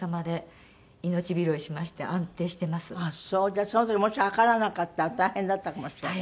じゃあその時もし測らなかったら大変だったかもしれない。